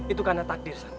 itu karena takdir san